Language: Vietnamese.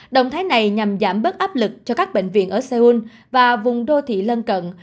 động thái này nhằm giảm bớt áp lực cho các bệnh viện ở seoul và vùng đô thị lân cận